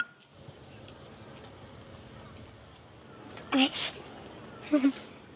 おいしい。